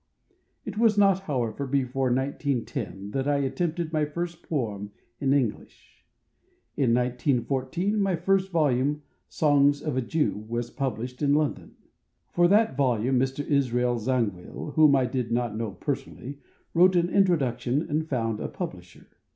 It was not, however, before 1910 that I attempted my first poem in English. In 1914 my first volume, "Songs of a Jew," was published in London. For that volume Mr. Israel Zangwill, whom I did not know personally, wrote an introduction and found a publisher.